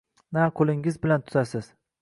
Na qo’lingiz bilan tutasiz.